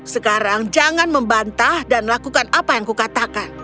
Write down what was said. sekarang jangan membantah dan lakukan apa yang kukatakan